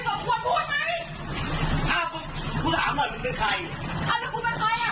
มากเอ่อเออเนี้ยอออทบอกว่าเธอเราจะกลัวกัน